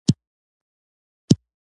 تودوخه هوا پراخوي.